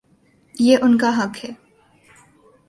یہ ان کا حق ہے۔